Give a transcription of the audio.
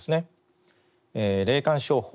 霊感商法